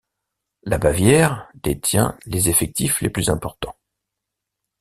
La Bavière détient les effectifs les plus importants.